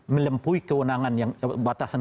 melempui kewenangan yang batasan